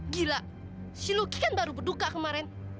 gila si luki kan baru berduka kemarin